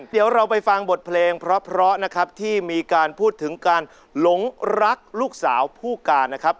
เดี๋ยวเราไปฟังบทเพลงเพราะนะครับที่มีการพูดถึงการหลงรักลูกสาวผู้การนะครับ